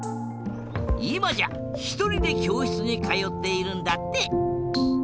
いまじゃひとりできょうしつにかよっているんだって。